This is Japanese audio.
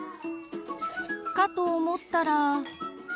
かと思ったら。